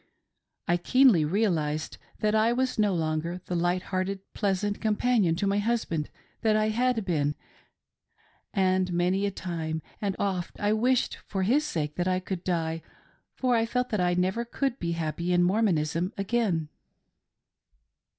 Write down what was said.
I keenly realised that I was no longer the light hearted pleasant companion to my husband that I had been, and many a time and oft I wished for his sake that I could die, for I felt that I never could be happy in Mormonism again.